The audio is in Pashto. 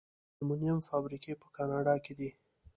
د المونیم فابریکې په کاناډا کې دي.